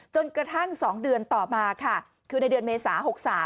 จนกระทั่ง๒เดือนต่อมาค่ะคือในเดือนเมษา๖๓